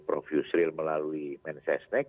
prof yusril melalui cnek